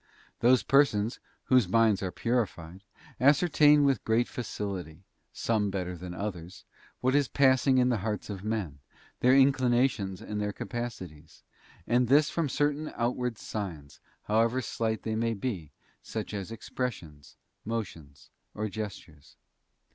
> Those persons, whose minds are purified, ascertain with great facility, some better than others, what is passing in the hearts of men, their inclinations and their capacities; and this from certain outward signs, however slight they may be, such as expressions, motions, or gestures.